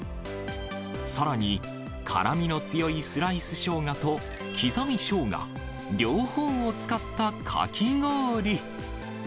さらに、辛みの強いスライスショウガと刻みショウガ、両方を使ったかき氷。